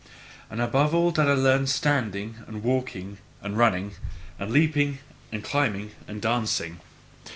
And above all did I learn standing and walking and running and leaping and climbing and dancing.